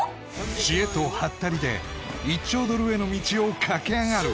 知恵とハッタリで１兆ドルへの道を駆け上がる！